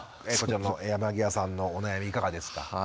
こちらも山際さんのお悩みいかがですか？